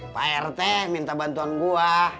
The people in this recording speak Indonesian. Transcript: pak rt minta bantuan gue